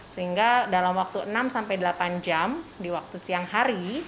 sehingga dalam waktu enam sampai delapan jam di waktu siang hari